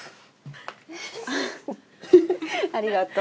ありがとう。